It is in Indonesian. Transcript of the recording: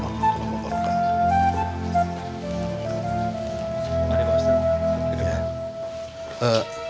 mari pak ustadz